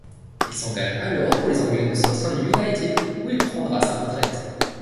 Il s'engage alors pour les Anglais de Southend United où il prendra sa retraite.